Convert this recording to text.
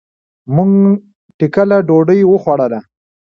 مونږ ټکله ډوډي وخوړله.